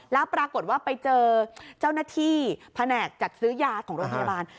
แล้วปรากฏว่าไปเจอเจ้าหน้าที่แผนกจัดซื้อยาของโรงพยาบาล